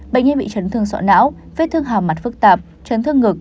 bệnh nhân bị trấn thương sọ não vết thương hào mặt phức tạp trấn thương ngực